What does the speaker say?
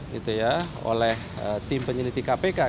gitu ya oleh tim penyelidik kpk